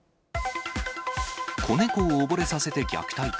子猫を溺れさせて虐待か。